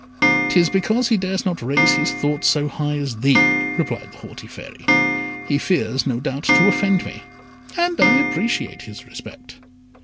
"'Tis because he dares not raise his thoughts so high as thee," replied the haughty Fairy. "He fears, no doubt, to offend me, and I appreciate his respect."